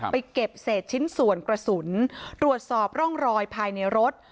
เก็บเศษชิ้นส่วนกระสุนตรวจสอบร่องรอยภายในรถ